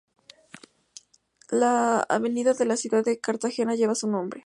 Una avenida de la ciudad de Cartagena lleva su nombre.